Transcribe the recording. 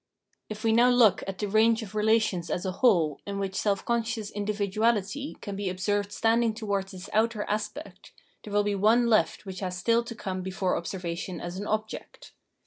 If we look now at the range of relations as a whole in which self conscious individuahty can be observed standing towards its outer aspect, there will be one left which has still to come before observation as an object.